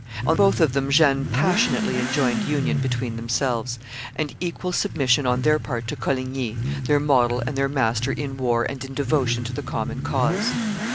On both of them Jeanne passionately enjoined union between themselves, and equal submission on their part to Coligny, their model and their master in war and in devotion to the common cause.